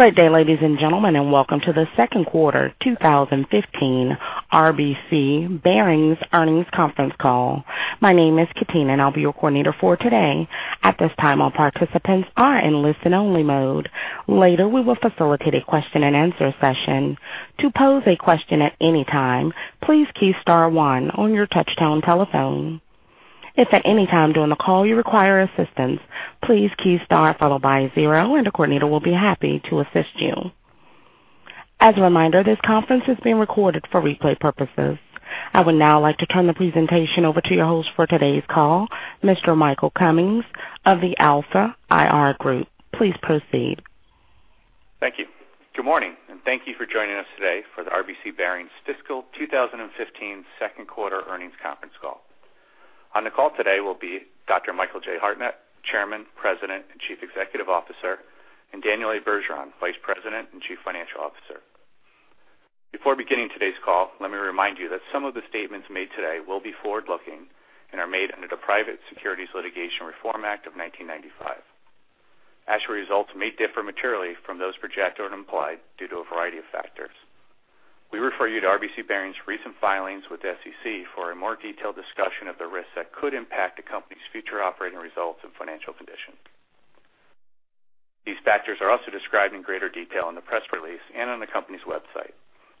Good day, ladies and gentlemen, and welcome to the second quarter 2015 RBC Bearings Earnings Conference Call. My name is Katina, and I'll be your coordinator for today. At this time, all participants are in listen-only mode. Later, we will facilitate a question-and-answer session. To pose a question at any time, please key star one on your touchtone telephone. If at any time during the call you require assistance, please key star followed by zero, and a coordinator will be happy to assist you. As a reminder, this conference is being recorded for replay purposes. I would now like to turn the presentation over to your host for today's call, Mr. Michael Cummings of the Alpha IR Group. Please proceed. Thank you. Good morning, and thank you for joining us today for the RBC Bearings fiscal 2015 second quarter earnings conference call. On the call today will be Dr. Michael J. Hartnett, Chairman, President, and Chief Executive Officer, and Daniel A. Bergeron, Vice President and Chief Financial Officer. Before beginning today's call, let me remind you that some of the statements made today will be forward-looking and are made under the Private Securities Litigation Reform Act of 1995. Actual results may differ materially from those projected or implied due to a variety of factors. We refer you to RBC Bearings' recent filings with the SEC for a more detailed discussion of the risks that could impact the company's future operating results and financial condition. These factors are also described in greater detail in the press release and on the company's website.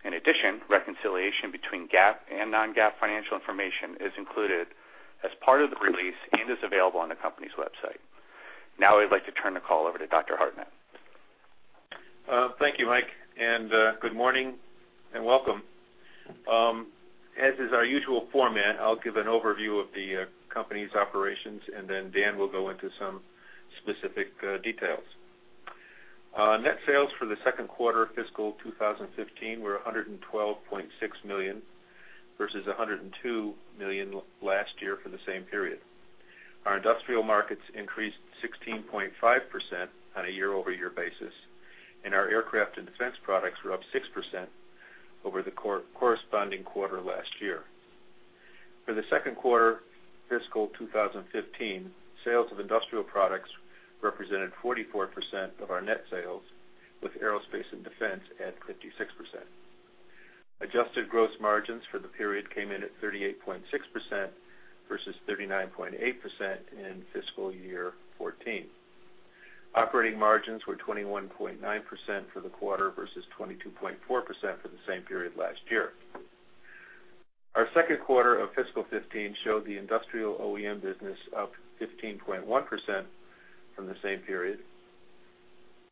In addition, reconciliation between GAAP and non-GAAP financial information is included as part of the release and is available on the company's website. Now, I'd like to turn the call over to Dr. Hartnett. Thank you, Mike, and good morning, and welcome. As is our usual format, I'll give an overview of the company's operations, and then Dan will go into some specific details. Net sales for the second quarter of fiscal 2015 were $112.6 million, versus $102 million last year for the same period. Our industrial markets increased 16.5% on a year-over-year basis, and our aircraft and defense products were up 6% over the corresponding quarter last year. For the second quarter fiscal 2015, sales of industrial products represented 44% of our net sales, with aerospace and defense at 56%. Adjusted gross margins for the period came in at 38.6% versus 39.8% in fiscal year 2014. Operating margins were 21.9% for the quarter versus 22.4% for the same period last year. Our second quarter of fiscal 2015 showed the Industrial OEM business up 15.1% from the same period.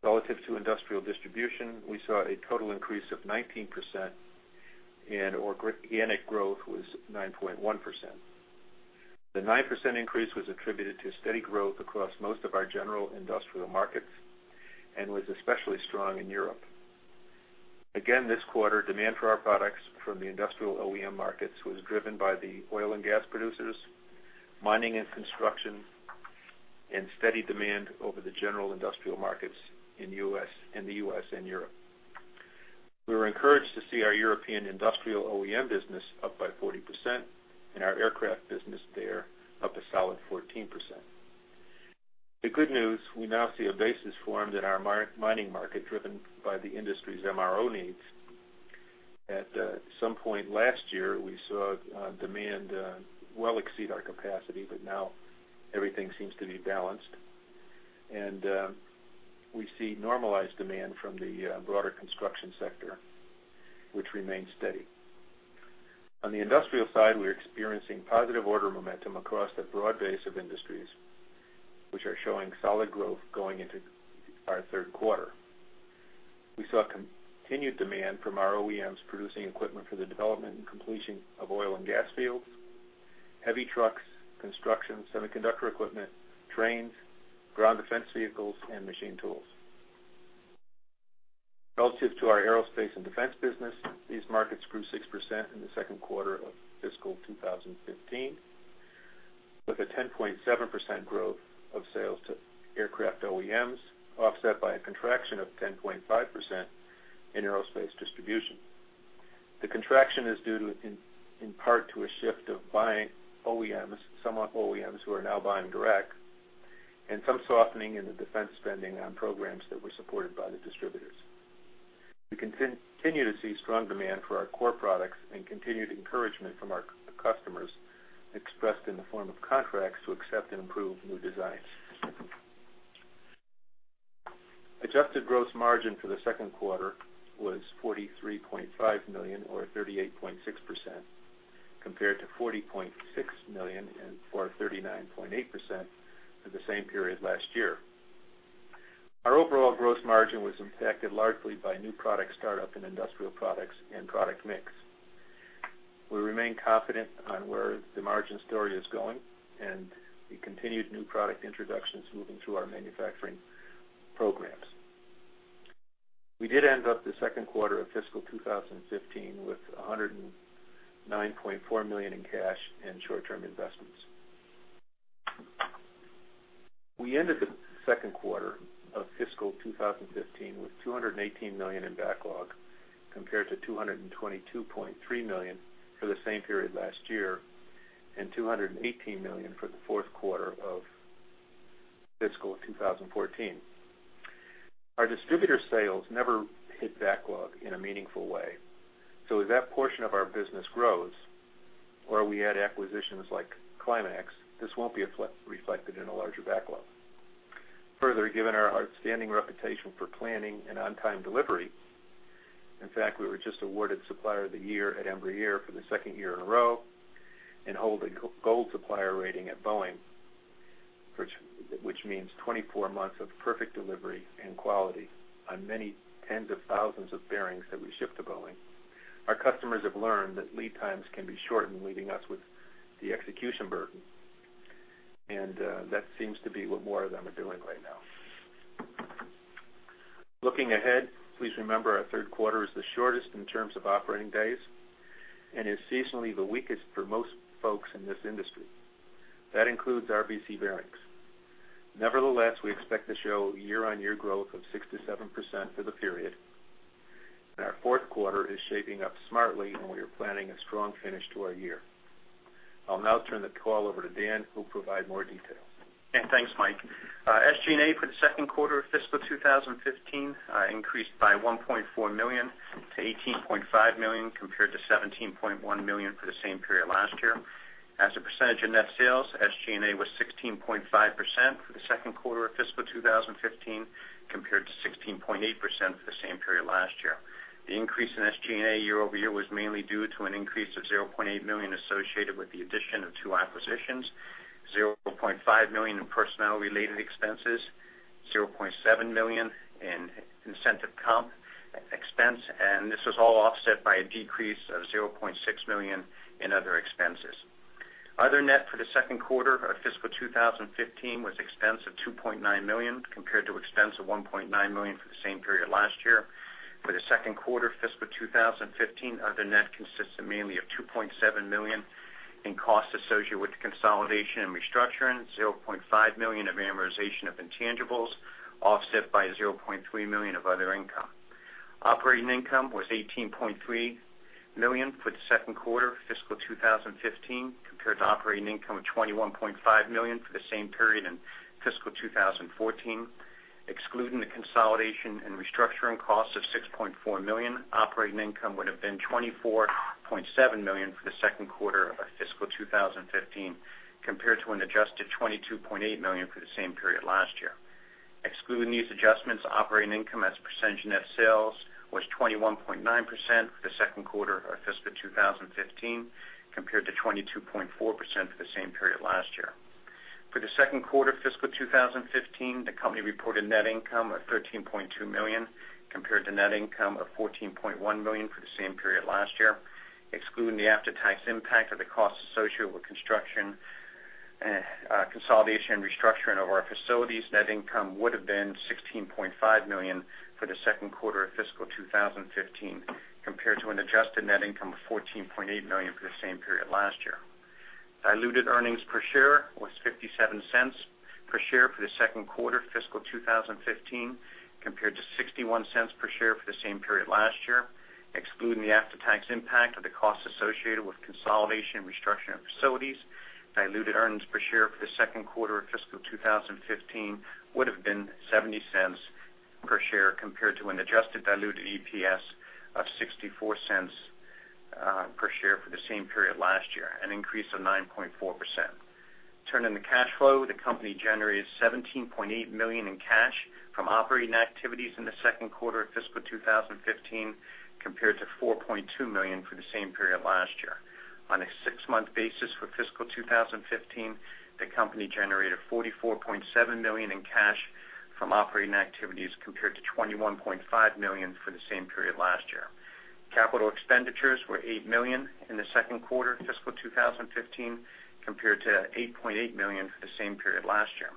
Relative to Industrial Distribution, we saw a total increase of 19%, and organic growth was 9.1%. The 9% increase was attributed to steady growth across most of our general industrial markets and was especially strong in Europe. Again, this quarter, demand for our products from the Industrial OEM markets was driven by the oil and gas producers, mining and construction, and steady demand over the general industrial markets in the U.S. and Europe. We were encouraged to see our European Industrial OEM business up by 40% and our aircraft business there up a solid 14%. The good news, we now see a basis formed in our mining market, driven by the industry's MRO needs. At some point last year, we saw demand well exceed our capacity, but now everything seems to be balanced, and we see normalized demand from the broader construction sector, which remains steady. On the industrial side, we're experiencing positive order momentum across a broad base of industries, which are showing solid growth going into our third quarter. We saw continued demand from our OEMs, producing equipment for the development and completion of oil and gas fields, heavy trucks, construction, semiconductor equipment, trains, ground defense vehicles, and machine tools. Relative to our aerospace and defense business, these markets grew 6% in the second quarter of fiscal 2015, with a 10.7% growth of sales to aircraft OEMs, offset by a contraction of 10.5% in aerospace distribution. The contraction is due to, in part, to a shift of buying OEMs, some OEMs who are now buying direct, and some softening in the defense spending on programs that were supported by the distributors. We continue to see strong demand for our core products and continued encouragement from our customers, expressed in the form of contracts to accept and improve new designs. Adjusted gross margin for the second quarter was $43.5 million, or 38.6%, compared to $40.6 million, and 39.8% for the same period last year. Our overall gross margin was impacted largely by new product startup in industrial products and product mix. We remain confident on where the margin story is going and the continued new product introductions moving through our manufacturing programs. We did end up the second quarter of fiscal 2015 with $109.4 million in cash and short-term investments. We ended the second quarter of fiscal 2015 with $218 million in backlog, compared to $222.3 million for the same period last year... and $218 million for the fourth quarter of fiscal 2014. Our distributor sales never hit backlog in a meaningful way, so as that portion of our business grows, or we add acquisitions like Climax, this won't be reflected in a larger backlog. Further, given our outstanding reputation for planning and on-time delivery, in fact, we were just awarded Supplier of the Year at Embraer for the second year in a row, and hold a gold supplier rating at Boeing, which means 24 months of perfect delivery and quality on many tens of thousands of bearings that we ship to Boeing. Our customers have learned that lead times can be shortened, leaving us with the execution burden, and that seems to be what more of them are doing right now. Looking ahead, please remember our third quarter is the shortest in terms of operating days and is seasonally the weakest for most folks in this industry. That includes RBC Bearings. Nevertheless, we expect to show year-on-year growth of 6%-7% for the period, and our fourth quarter is shaping up smartly, and we are planning a strong finish to our year. I'll now turn the call over to Dan, who'll provide more details. And thanks, Mike. SG&A for the second quarter of fiscal 2015 increased by $1.4 million-$18.5 million, compared to $17.1 million for the same period last year. As a percentage of net sales, SG&A was 16.5% for the second quarter of fiscal 2015, compared to 16.8% for the same period last year. The increase in SG&A year-over-year was mainly due to an increase of $0.8 million associated with the addition of two acquisitions, $0.5 million in personnel-related expenses, $0.7 million in incentive comp expense, and this was all offset by a decrease of $0.6 million in other expenses. Other net for the second quarter of fiscal 2015 was expense of $2.9 million, compared to expense of $1.9 million for the same period last year. For the second quarter of fiscal 2015, other net consisted mainly of $2.7 million in costs associated with the consolidation and restructuring, $0.5 million of amortization of intangibles, offset by $0.3 million of other income. Operating income was $18.3 million for the second quarter of fiscal 2015, compared to operating income of $21.5 million for the same period in fiscal 2014. Excluding the consolidation and restructuring costs of $6.4 million, operating income would have been $24.7 million for the second quarter of fiscal 2015, compared to an adjusted $22.8 million for the same period last year. Excluding these adjustments, operating income as a percentage of net sales was 21.9% for the second quarter of fiscal 2015, compared to 22.4% for the same period last year. For the second quarter of fiscal 2015, the company reported net income of $13.2 million, compared to net income of $14.1 million for the same period last year. Excluding the after-tax impact of the costs associated with construction and consolidation and restructuring of our facilities, net income would have been $16.5 million for the second quarter of fiscal 2015, compared to an adjusted net income of $14.8 million for the same period last year. Diluted earnings per share was $0.57 per share for the second quarter of fiscal 2015, compared to $0.61 per share for the same period last year. Excluding the after-tax impact of the costs associated with consolidation and restructuring of facilities, diluted earnings per share for the second quarter of fiscal 2015 would have been $0.70 per share, compared to an adjusted diluted EPS of $0.64 per share for the same period last year, an increase of 9.4%. Turning to cash flow, the company generated $17.8 million in cash from operating activities in the second quarter of fiscal 2015, compared to $4.2 million for the same period last year. On a six-month basis for fiscal 2015, the company generated $44.7 million in cash from operating activities, compared to $21.5 million for the same period last year. Capital expenditures were $8 million in the second quarter of fiscal 2015, compared to $8.8 million for the same period last year.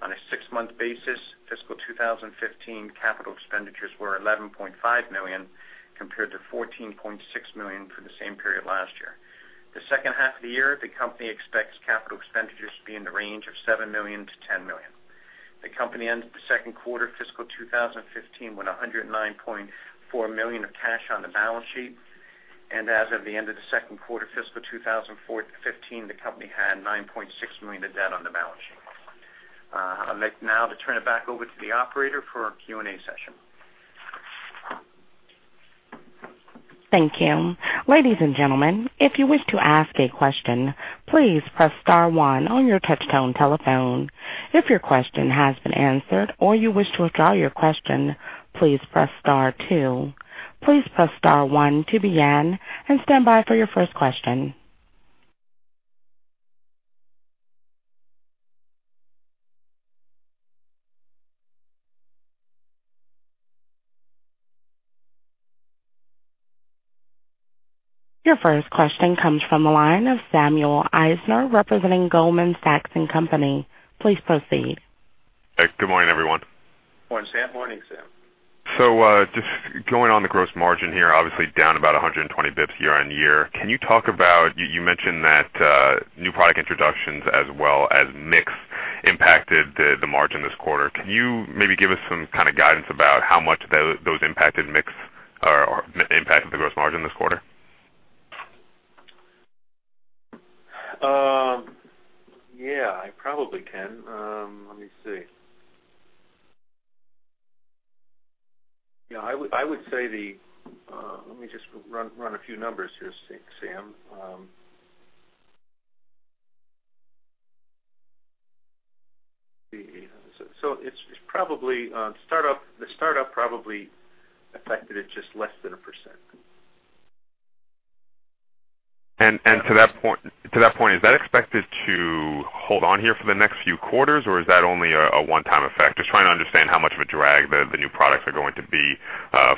On a six-month basis, fiscal 2015, capital expenditures were $11.5 million, compared to $14.6 million for the same period last year. The second half of the year, the company expects capital expenditures to be in the range of $7 million-$10 million. The company ended the second quarter of fiscal 2015, with $109.4 million of cash on the balance sheet. As of the end of the second quarter, fiscal 2014-2015, the company had $9.6 million of debt on the balance sheet. I'd like now to turn it back over to the operator for our Q&A session. Thank you. Ladies and gentlemen, if you wish to ask a question, please press star one on your touchtone telephone. If your question has been answered or you wish to withdraw your question, please press star two. Please press star one to begin, and stand by for your first question. Your first question comes from the line of Samuel Eisner, representing Goldman Sachs & Company. Please proceed. Good morning, everyone. Morning, Sam. Morning, Sam. So, just going on the gross margin here, obviously down about 120 basis points year-on-year. Can you talk about—you mentioned that new product introductions as well as mix impacted the margin this quarter. Can you maybe give us some kind of guidance about how much those impacted mix impact of the gross margin this quarter? Yeah, I probably can. Let me see. Yeah, I would say the, let me just run a few numbers here, Sam. Let's see. So it's probably the startup probably affected it just less than 1%. To that point, is that expected to hold on here for the next few quarters, or is that only a one-time effect? Just trying to understand how much of a drag the new products are going to be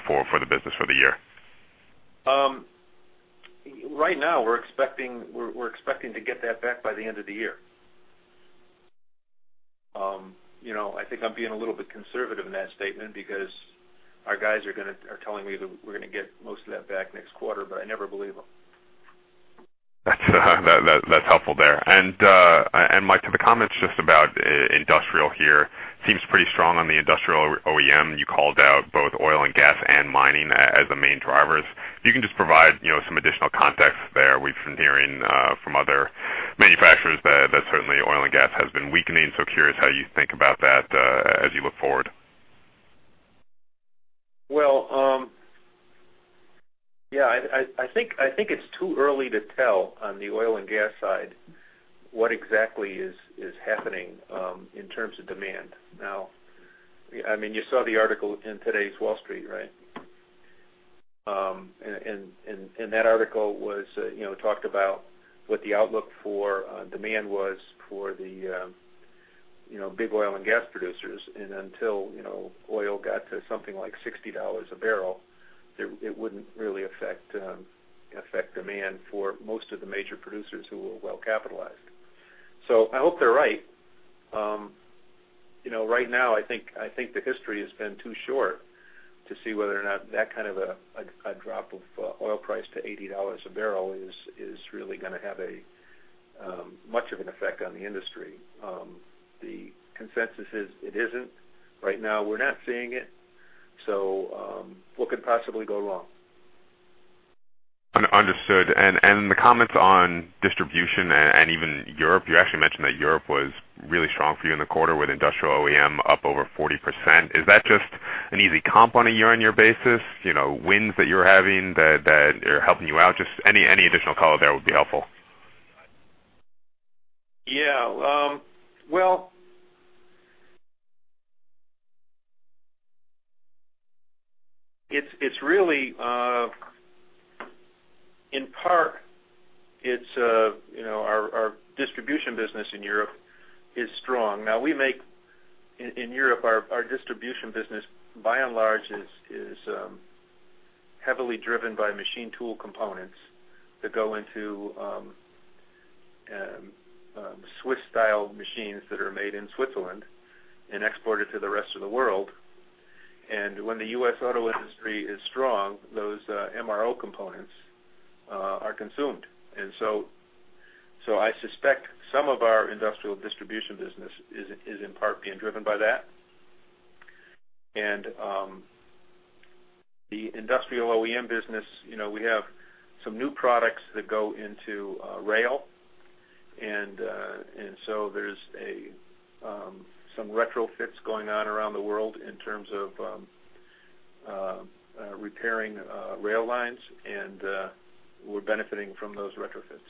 for the business for the year. Right now, we're expecting to get that back by the end of the year. You know, I think I'm being a little bit conservative in that statement because our guys are telling me that we're gonna get most of that back next quarter, but I never believe them. That's helpful there. And Mike, to the comments just about industrial here, seems pretty strong on the industrial OEM. You called out both oil and gas and mining as the main drivers. If you can just provide, you know, some additional context there. We've been hearing from other manufacturers that certainly oil and gas has been weakening, so curious how you think about that as you look forward. Well, yeah, I think it's too early to tell on the oil and gas side what exactly is happening in terms of demand. Now, I mean, you saw the article in today's Wall Street, right? And that article was, you know, talked about what the outlook for demand was for the, you know, big oil and gas producers. And until, you know, oil got to something like $60 a barrel, it wouldn't really affect demand for most of the major producers who are well capitalized. So I hope they're right. You know, right now, I think the history has been too short to see whether or not that kind of a drop of oil price to $80 a barrel is really gonna have a much of an effect on the industry. The consensus is it isn't. Right now, we're not seeing it, so, what could possibly go wrong? Understood. And the comments on distribution and even Europe, you actually mentioned that Europe was really strong for you in the quarter, with Industrial OEM up over 40%. Is that just an easy comp on a year-on-year basis, you know, wins that you're having that are helping you out? Just any additional color there would be helpful. Yeah. Well, it's really in part, you know, our distribution business in Europe is strong. Now, we make in Europe our distribution business by and large is heavily driven by machine tool components that go into Swiss-style machines that are made in Switzerland and exported to the rest of the world. And when the U.S. auto industry is strong, those MRO components are consumed. And so I suspect some of our industrial distribution business is in part being driven by that. And the industrial OEM business, you know, we have some new products that go into rail. And so there's some retrofits going on around the world in terms of repairing rail lines, and we're benefiting from those retrofits.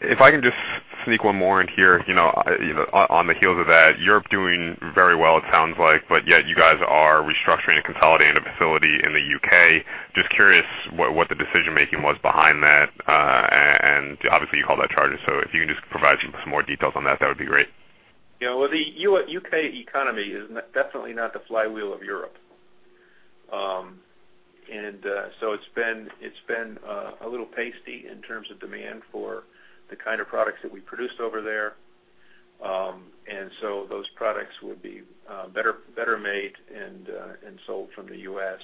If I can just sneak one more in here, you know, you know, on the heels of that, you're doing very well, it sounds like, but yet you guys are restructuring and consolidating a facility in the UK. Just curious what the decision making was behind that, and obviously, you called that charges. So if you can just provide some more details on that, that would be great. Yeah, well, the U.K. economy is definitely not the flywheel of Europe. And so it's been a little pasty in terms of demand for the kind of products that we produce over there. And so those products would be better made and sold from the U.S.,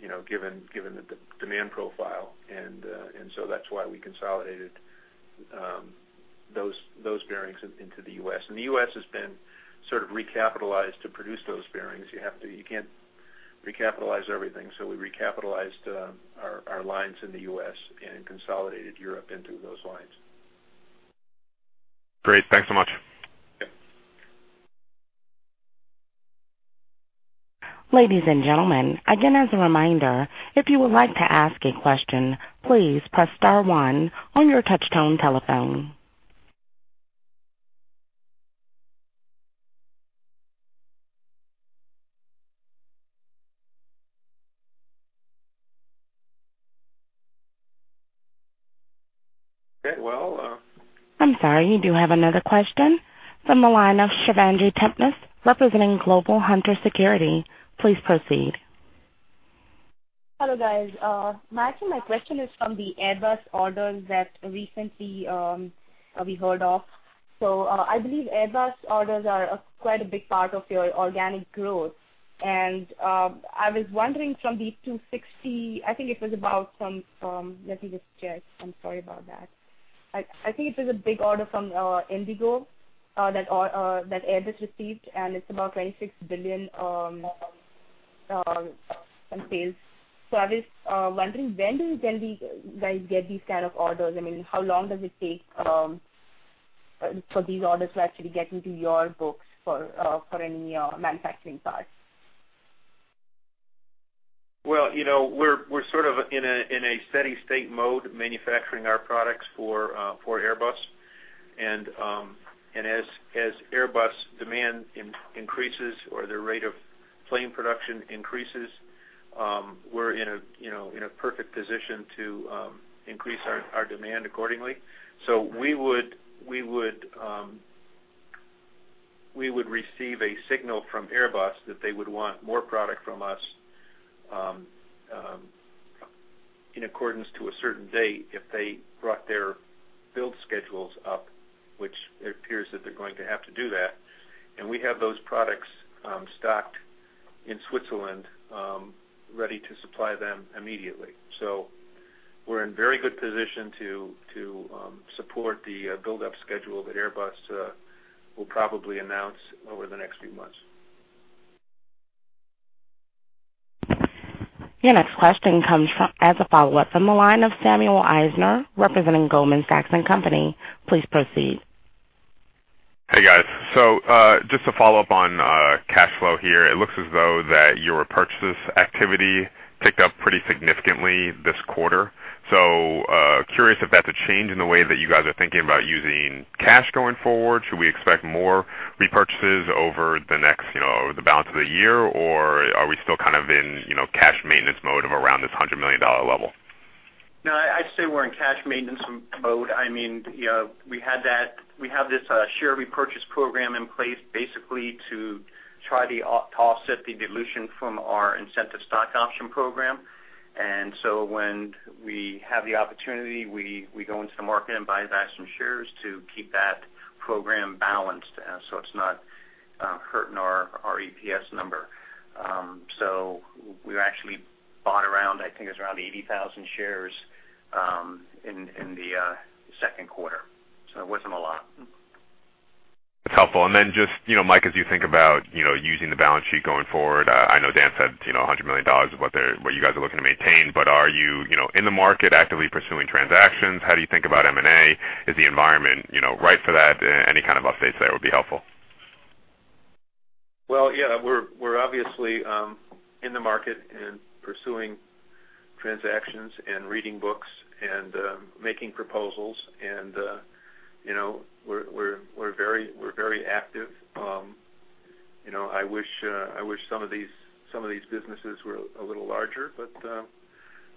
you know, given the demand profile. And so that's why we consolidated those bearings into the U.S. And the U.S. has been sort of recapitalized to produce those bearings. You have to-- You can't recapitalize everything, so we recapitalized our lines in the U.S. and consolidated Europe into those lines. Great. Thanks so much. Yep. Ladies and gentlemen, again, as a reminder, if you would like to ask a question, please press star one on your touchtone telephone. Okay, well, I'm sorry, we do have another question from the line of Shivangi Tipnis, representing Global Hunter Securities. Please proceed. Hello, guys. Mike, so my question is from the Airbus orders that recently we heard of. So, I believe Airbus orders are quite a big part of your organic growth. And, I was wondering from the 260, I think it was about some, let me just check. I'm sorry about that. I think it was a big order from IndiGo that Airbus received, and it's about $26 billion in sales. So I was wondering, when do you then, guys, get these kind of orders? I mean, how long does it take for these orders to actually get into your books for any manufacturing parts? Well, you know, we're sort of in a steady state mode manufacturing our products for Airbus. And as Airbus demand increases or their rate of plane production increases, we're in a, you know, in a perfect position to increase our demand accordingly. So we would receive a signal from Airbus that they would want more product from us in accordance to a certain date, if they brought their build schedules up, which it appears that they're going to have to do that. And we have those products stocked in Switzerland ready to supply them immediately. So we're in very good position to support the buildup schedule that Airbus will probably announce over the next few months. Your next question comes from, as a follow-up from the line of Samuel Eisner, representing Goldman Sachs and Company. Please proceed. Hey, guys. So, just to follow up on cash flow here, it looks as though that your purchases activity picked up pretty significantly this quarter. So, curious if that's a change in the way that you guys are thinking about using cash going forward. Should we expect more repurchases over the next, you know, the balance of the year? Or are we still kind of in, you know, cash maintenance mode of around this $100 million level? No, I'd say we're in cash maintenance mode. I mean, you know, we had that, we have this share repurchase program in place, basically to try to offset the dilution from our incentive stock option program. And so when we have the opportunity, we go into the market and buy back some shares to keep that program balanced, so it's not hurting our EPS number. So we actually bought around, I think it was around 80,000 shares, in the second quarter, so it wasn't a lot. That's helpful. And then just, you know, Mike, as you think about, you know, using the balance sheet going forward, I know Dan said, you know, $100 million is what they're, what you guys are looking to maintain. But are you, you know, in the market, actively pursuing transactions? How do you think about M&A? Is the environment, you know, right for that? Any kind of updates there would be helpful. Well, yeah, we're obviously in the market and pursuing transactions and reading books and making proposals. And, you know, we're very active. You know, I wish some of these businesses were a little larger, but,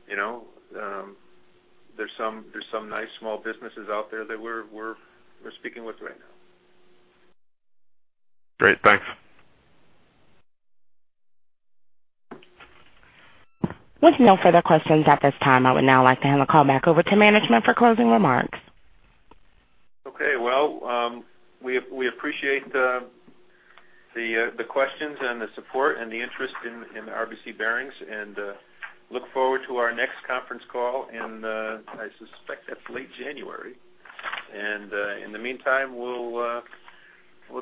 you know, there's some nice small businesses out there that we're speaking with right now. Great. Thanks. With no further questions at this time, I would now like to hand the call back over to management for closing remarks. Okay. Well, we appreciate the questions and the support and the interest in RBC Bearings, and look forward to our next conference call in the... I suspect that's late January. And in the meantime, we'll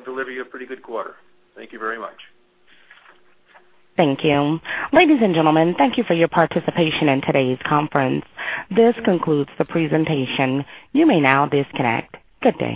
deliver you a pretty good quarter. Thank you very much. Thank you. Ladies and gentlemen, thank you for your participation in today's conference. This concludes the presentation. You may now disconnect. Good day.